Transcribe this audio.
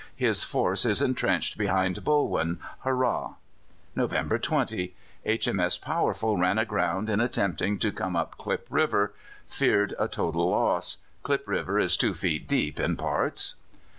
His force is entrenched behind Bulwen. Hurrah! "November 20. H.M.S. Powerful ran aground in attempting to come up Klip River; feared total loss. [Klip River is 2 feet deep in parts.